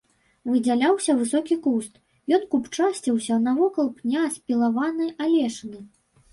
Выдзяляўся высокі куст, ён купчасціўся навокал пня спілаванай алешыны.